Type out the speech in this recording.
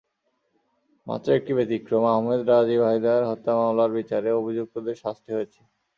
মাত্র একটি ব্যতিক্রম—আহমেদ রাজীব হায়দার হত্যা মামলার বিচারে অভিযুক্তদের শাস্তি হয়েছে।